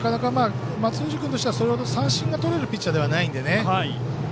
松藤君としてはそれほど三振がとれるピッチャーではないのでね。